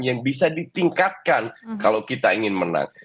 yang bisa ditingkatkan kalau kita ingin menang